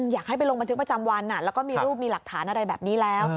อยากให้ไปลงบันทึกประจำวันแล้วก็มีรูปมีหลักฐานอะไรแบบนี้แล้ว